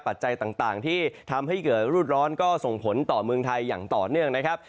ปัจจัยต่างที่ทำให้เกิดรูดร้อนก็ส่งผลต่อเมืองไทยอย่างต่อเนื่องนะครับ